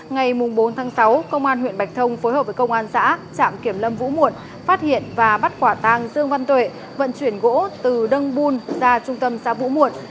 ngày bốn sáu công an huyện bạch thông phối hợp với công an xã trạm kiểm lâm vũ muộn phát hiện và bắt quả tang dương văn tuệ vận chuyển gỗ từ đâng bùn ra trung tâm xã vũ muộn